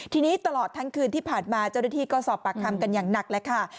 ทีนี้ตลอดทั้งคืนที่ผ่านมาเจ้าหน้าที่ก็สอบปากคำกันอย่างหนักแล้วค่ะ